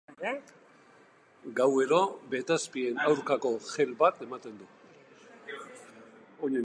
Gauero betazpien aurkako gel bat ematen du.